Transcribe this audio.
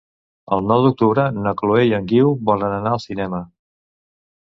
El nou d'octubre na Chloé i en Guiu volen anar al cinema.